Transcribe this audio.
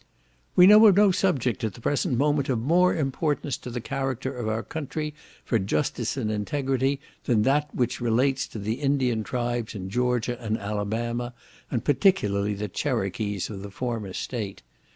"We know of no subject, at the present moment, of more importance to the character of our country for justice and integrity than that which relates to the Indian tribes in Georgia and Alabama, and particularly the Cherokees in the former state.